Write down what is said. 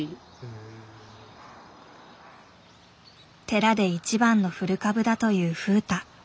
寺で一番の古株だという風太。